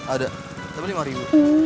ah udah kita beli rp lima